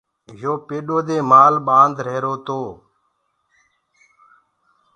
يو پيڏو دي مآل ڀند ريهرو هي۔